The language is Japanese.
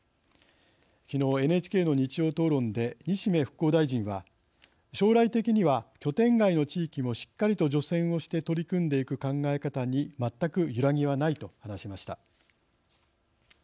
きのう、ＮＨＫの日曜討論で西銘復興大臣は「将来的には拠点外の地域もしっかりと除染をして取り組んでいく考え方に全く揺らぎはない」と話しました。